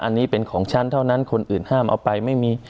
อันนี้เป็นของฉันเท่านั้นคนอื่นห้ามเอาไปไม่มี